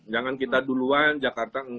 jangan kita duluan jakarta